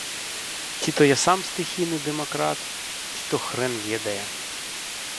Ці то я сам стыхійны дэмакрат, ці то хрэн ведае.